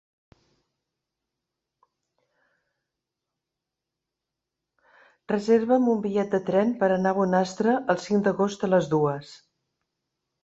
Reserva'm un bitllet de tren per anar a Bonastre el cinc d'agost a les dues.